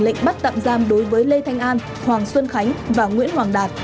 lệnh bắt tạm giam đối với lê thanh an hoàng xuân khánh và nguyễn hoàng đạt